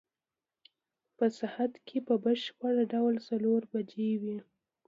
په ساعت کې په بشپړ ډول څلور بجې وې.